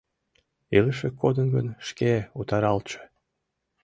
— Илыше кодын гын, шке утаралтше...